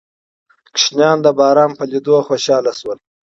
ماشومان د باران په لیدو خوشحال شول.